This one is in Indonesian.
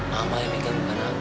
mama yang inget bukan aku